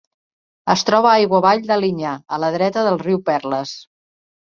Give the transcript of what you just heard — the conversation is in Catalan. Es troba aigua avall d'Alinyà, a la dreta del riu Perles.